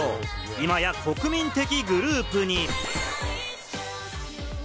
今や国民的グループに。